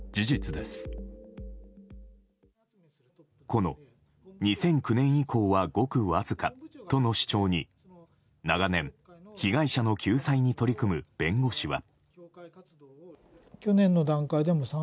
この、２００９年以降はごくわずかとの主張に長年、被害者の救済に取り組む弁護士は。